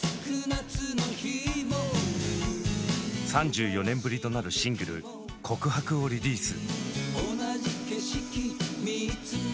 ３４年ぶりとなるシングル「告白」をリリース。